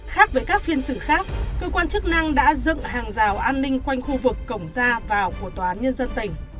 khác với các phiên xử khác cơ quan chức năng đã dựng hàng rào an ninh quanh khu vực cổng ra vào của tòa án nhân dân tỉnh